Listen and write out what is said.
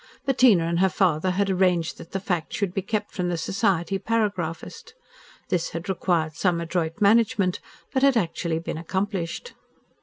Bettina and her father had arranged that the fact should be kept from the society paragraphist. This had required some adroit management, but had actually been accomplished.